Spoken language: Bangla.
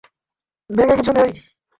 ব্যাগে কিছুই নেই।